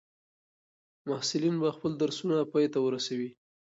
محصلین به خپل درسونه پای ته ورسوي.